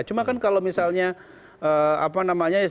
cuma kan kalau misalnya